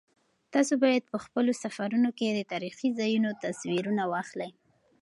تاسو باید په خپلو سفرونو کې د تاریخي ځایونو تصویرونه واخلئ.